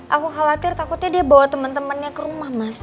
aku khawatir takutnya dia bawa teman temannya ke rumah mas